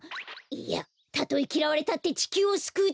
いやたとえきらわれたってちきゅうをすくうためだ！